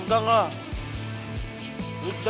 udah doang gue stres